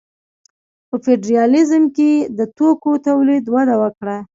په فیوډالیزم کې د توکو تولید وده وکړه.